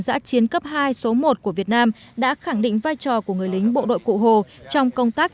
giã chiến cấp hai số một của việt nam đã khẳng định vai trò của người lính bộ đội cụ hồ trong công tác